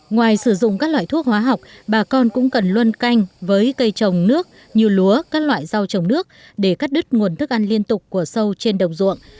ngoài sử dụng các loại thuốc hóa học bà con cũng cần luôn canh với cây trồng nước như lúa các loại rau trồng nước để cắt đứt nguồn thức ăn liên tục của sâu trên đồng ruộng